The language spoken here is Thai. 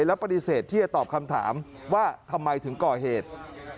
และปฏิเสธที่จะตอบคำถามว่าทำไมถึงก่อเหตุ